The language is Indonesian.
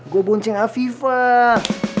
gua bonceng hafifah